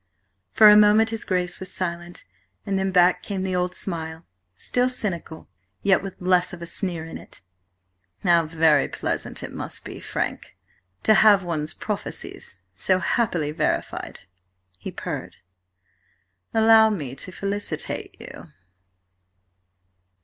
For a moment his Grace was silent, and then back came the old smile, still cynical, yet with less of the sneer in it. "How very pleasant it must be, Frank, to have one's prophecies so happily verified!" he purred. "Allow me to felicitate you!"